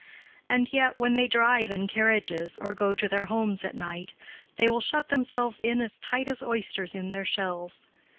And yet, when they drive in carriages or go to their homes at night, they will shut themselves in as tight as oysters in their shells.